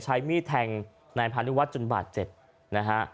ใช้มีดแทงนายพานุวัฒนจนบาดเจ็บนะฮะ